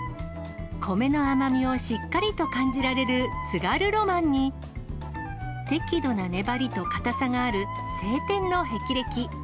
米の甘みをしっかりと感じられるつがるロマンに、適度な粘りと硬さがある青天の霹靂。